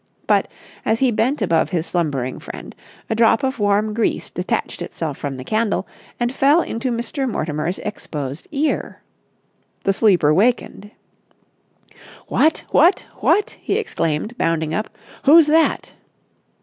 But, as he bent above his slumbering friend, a drop of warm grease detached itself from the candle and fell into Mr. Mortimer's exposed ear. The sleeper wakened. "What? What? What?" he exclaimed, bounding up. "Who's that?"